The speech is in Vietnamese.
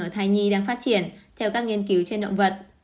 ở thai nhi đang phát triển theo các nghiên cứu trên động vật